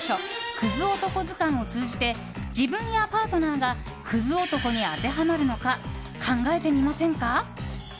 「“クズ男”図鑑」を通じて自分やパートナーがクズ男に当てはまるのか考えてみませんか？